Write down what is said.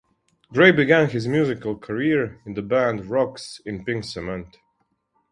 Gray began his musical career in the band Rocks in Pink Cement.